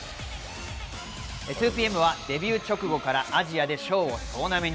２ＰＭはデビュー直後からアジアで賞を総なめに。